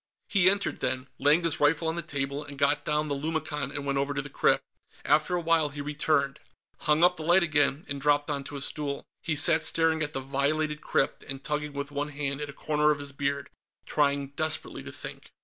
He entered, then, laying his rifle on the table, and got down the lumicon and went over to the crypt. After a while, he returned, hung up the light again, and dropped onto a stool. He sat staring at the violated crypt and tugging with one hand at a corner of his beard, trying desperately to think.